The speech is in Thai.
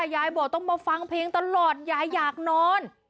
ยายบอกต้องมาฟังเพลงตลอดยายอยากนอน